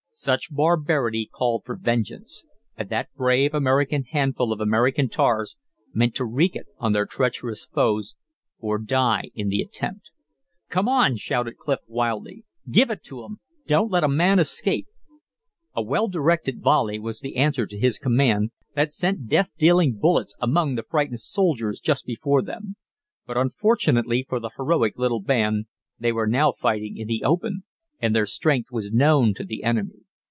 Such barbarity called for vengeance, and that brave American handful of American tars meant to wreak it on their treacherous foes, or die in the attempt. "Come on!" shouted Clif, wildly. "Give it to 'em! Don't let a man escape!" A well directed volley was the answer to his command, that sent death dealing bullets among the frightened soldiers just before them. But, unfortunately for the heroic little band, they were now fighting in the open, and their strength was known to the enemy.